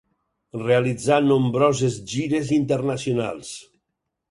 Realitzà nombroses gires internacionals.